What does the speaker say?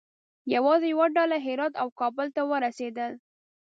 یوازې یوه ډله هرات او کابل ته ورسېدل.